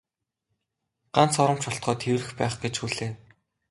Ганц хором ч болтугай тэврэх байх гэж хүлээв.